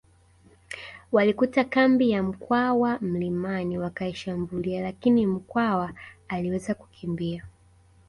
Walikuta kambi ya Mkwawa mlimani wakaishambulia lakini Mkwawa aliweza kukimbia